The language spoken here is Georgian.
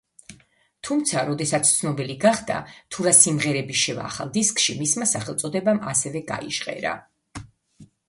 თუმცა, როდესაც ცნობილი გახდა, თუ რა სიმღერები შევა ახალ დისკში, მისმა სახელწოდებამ ასევე გაიჟღერა.